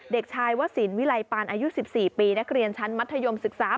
เด็กชายวสินวิลัยปานอายุ๑๔ปีนักเรียนชั้นมัธยมศึกษา